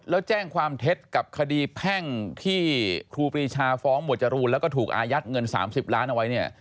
แล้วแจ้งความเท็จกับคดีแพ่งที่ครูปรีชาฟ้องหมวดจรูนแล้วก็ถูกอายัดเงิน๓๐ล้านเอาไว้เนี่ย